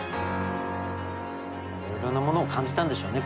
いろんなものを感じたんでしょうね